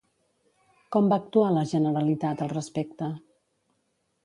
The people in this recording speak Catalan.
Com va actuar la Generalitat al respecte?